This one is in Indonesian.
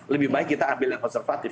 lebih baik kita ambil yang konservatif